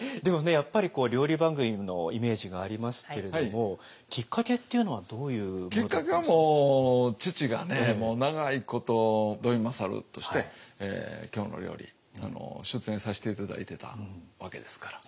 やっぱり料理番組のイメージがありますけれどもきっかけっていうのはどういうもの？きっかけはもう父がね長いこと土井勝として「きょうの料理」出演させて頂いてたわけですから。